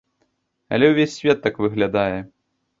Але ўвесь свет так выглядае.